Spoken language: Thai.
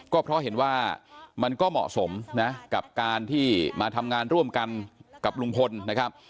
ก็เพราะเห็นว่ามันก็เหมาะสมนะกับการที่มาทำงานร่วมกันกับลุงพลนะครับ